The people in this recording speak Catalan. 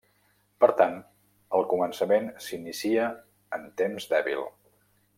Per tant, el començament s'inicia en temps dèbil.